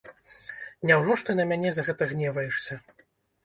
Няўжо ж ты на мяне за гэта гневаешся?